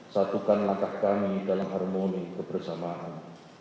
satukan langkah kami dalam harmoni kebersamaan